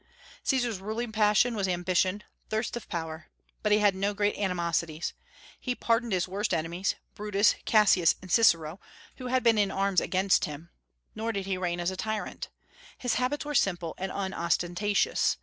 Caesar's ruling passion was ambition, thirst of power; but he had no great animosities. He pardoned his worst enemies, Brutus, Cassius, and Cicero, who had been in arms against him; nor did he reign as a tyrant. His habits were simple and unostentatious.